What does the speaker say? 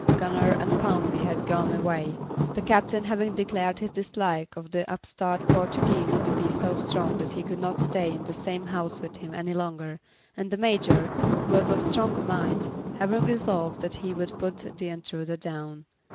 Gunner and Pountney had gone away, the Captain having declared his dislike of the upstart Portuguese to be so strong that he could not stay in the same house with him any longer, and the Major, who was of stronger mind, having resolved that he would put the intruder down.